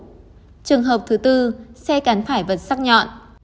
trường hợp thứ bốn xe cắn phải vật sắc nhọn